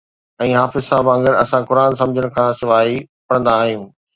۽ حافظ صاحب وانگر، اسان قرآن سمجھڻ کان سواءِ ئي پڙھندا آھيون